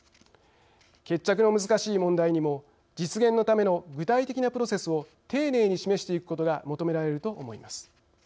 決着の難しい問題にも実現のための具体的なプロセスを丁寧に示していくことが求められると思います。